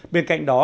bên cạnh đó